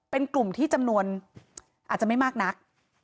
เป็นกลุ่มที่จำนวนอาจจะไม่มากนัก